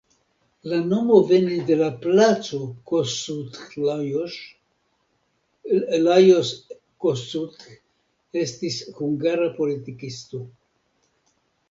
La nomo venis de la Placo Kossuth Lajos, Lajos Kossuth estis hungara politikisto.